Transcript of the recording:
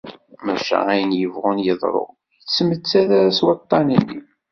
Maca ayen yebɣun yeḍru, ur yettmettat ara s waṭṭan-nni.